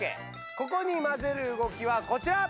ここにまぜる動きはこちら！